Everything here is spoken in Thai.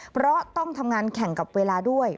เพราะต้องทำงานแข่งกับเวลาด้วย